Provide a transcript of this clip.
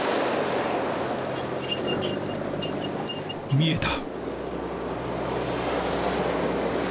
見えた。